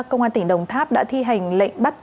công an tỉnh đồng tháp đã thi hành lệnh bắt